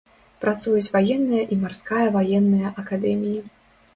Працуюць ваенная і марская ваенная акадэміі.